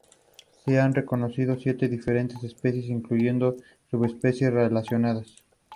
Aproximadamente un centenar de personas fueron investigadas por la crisis.